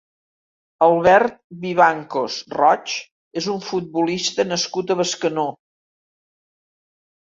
Albert Vivancos Roig és un futbolista nascut a Bescanó.